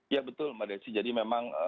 ya betul mbak desi jadi memang